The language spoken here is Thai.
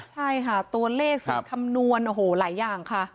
ใช่ค่ะตัวเลขสุดคำนวณโอ้โหหลายอย่างค่ะ